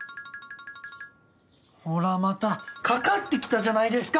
ほらまたかかってきたじゃないですか！